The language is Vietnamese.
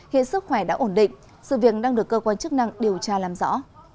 hiện sức khỏe đã ổn định sự việc đang được cơ quan chức năng điều tra làm rõ